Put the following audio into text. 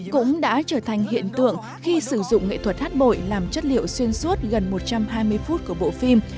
cũng đã trở thành hiện tượng khi sử dụng nghệ thuật hát bội làm chất liệu xuyên suốt gần một trăm hai mươi phút của bộ phim